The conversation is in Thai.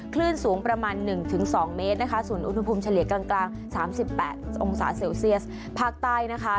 คลื่นสูงประมาณ๑๒เมตรนะคะส่วนอุณหภูมิเฉลี่ยกลางสามสิบแปดองศาเซลเซียสภาคใต้นะคะ